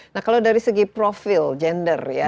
nah kalau dari segi profil gender ya